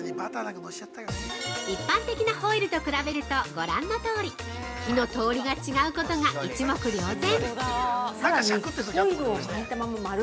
一般的なホイルと比べるとご覧のとおり火の通りが違うことが一目瞭然！